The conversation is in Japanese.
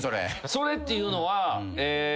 それっていうのはえ